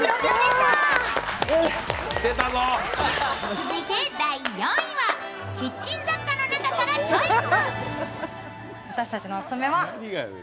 続いて第４位はキッチン雑貨の中からチョイス。